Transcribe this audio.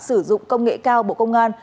sử dụng công nghệ cao bộ công an